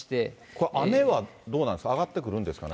これ、雨はどうなんですか、上がってくるんですかね。